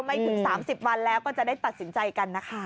ไม่ถึง๓๐วันแล้วก็จะได้ตัดสินใจกันนะคะ